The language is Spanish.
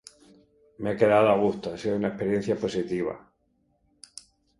Me he quedado a gusto, ha sido una experiencia positiva.